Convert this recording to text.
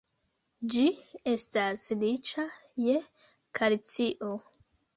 Ĝi estas riĉa je kalcio.